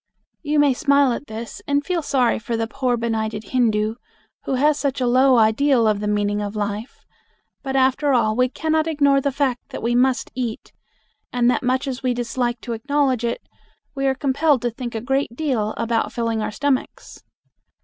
You may smile at this and feel sorry for the poor benighted Hindu, who has such a low ideal of the meaning of life, but after all we cannot ignore the fact that we must eat, and that much as we dislike to acknowledge it, we are compelled to think a great deal about filling our stomachs.